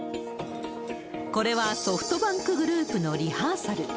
これはソフトバンクグループのリハーサル。